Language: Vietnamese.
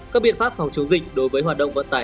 các biện pháp phòng chống dịch đối với hoạt động vận tải